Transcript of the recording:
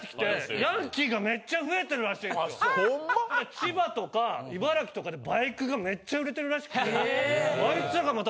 千葉とか茨城とかでバイクがめっちゃ売れてるらしくて。